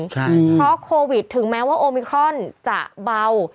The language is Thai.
ใช่เพราะโควิดถึงแม้ว่าโอมิครอนจะเบา